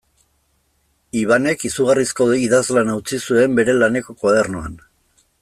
Ibanek izugarrizko idazlana utzi zuen bere laneko koadernoan.